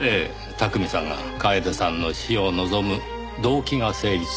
巧さんが楓さんの死を望む動機が成立する。